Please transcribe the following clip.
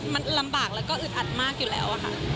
มันลำบากแล้วก็อึดอัดมากอยู่แล้วค่ะ